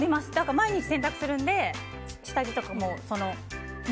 毎日洗濯するので下着とかも。